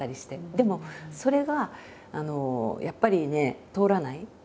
でもそれがやっぱりね通らない。